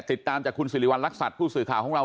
ติดตามจากคุณสิริวัณรักษัตริย์ผู้สื่อข่าวของเรา